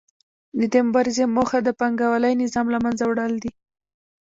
د دې مبارزې موخه د پانګوالي نظام له منځه وړل دي